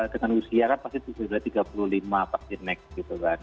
dengan usia kan pasti sudah tiga puluh lima pasti next gitu kan